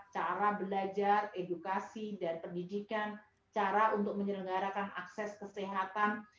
cara belajar edukasi dan pendidikan cara untuk menyelenggarakan akses kesehatan